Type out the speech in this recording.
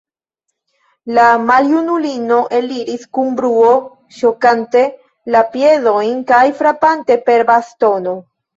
La maljunulino eliris, kun bruo ŝovante la piedojn kaj frapante per bastono.